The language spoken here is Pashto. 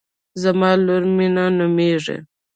زما لور مینه نومیږي